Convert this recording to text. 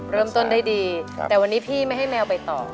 เริ่มต้นได้ดีแต่วันนี้พี่ไม่ให้แมวไปตอบ